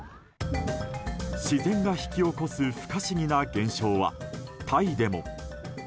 自然が引き起こす不可思議な現象はタイでも。